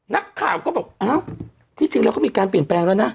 นักข่าวก็บอกอ้าวที่จริงแล้วก็มีการเปลี่ยนแปลงแล้วนะ